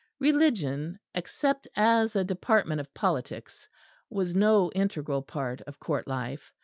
Religion, except as a department of politics, was no integral part of Court life.